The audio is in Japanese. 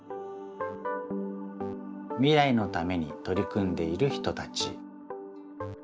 みらいのためにとりくんでいる人たち。